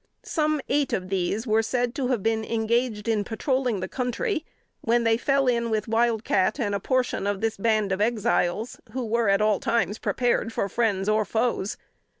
Some eight of these were said to have been engaged in patroling the country, when they fell in with Wild Cat and a portion of this band of Exiles, who were at all times prepared for friends or foes.